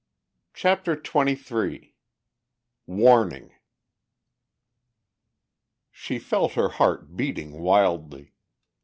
CHAPTER XXIII WARNING She felt her heart beating wildly